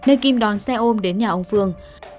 nơi kim đón xe ôm đến nhà ông phương